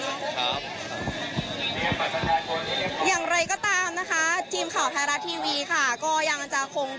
อย่างไรก็ตามนะคะทีมข่าวไทยรัฐทีวีค่ะก็ยังจะคง